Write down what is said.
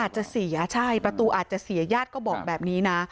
เสียใช่ประตูอาจจะเสียญาติก็บอกแบบนี้นะ